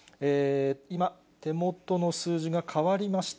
今、手元の数字が変わりました。